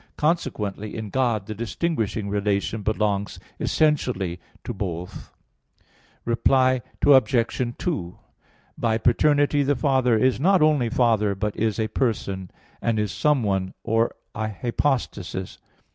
Consequently, in God the distinguishing relation belongs essentially to both. Reply Obj. 2: By paternity the Father is not only Father, but is a person, and is "someone," or a hypostasis.